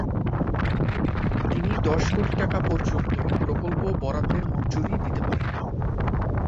তিনি দশ কোটি টাকা পর্যন্ত প্রকল্প বরাদ্দের মঞ্জুরি দিতে পারেন।